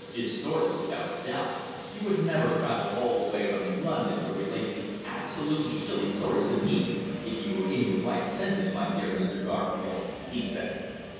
"Distorted without a doubt. You would never travel all the way from London to relate these absolutely silly stories to me if you were in your right senses, my dear Mr. Garfield," he said.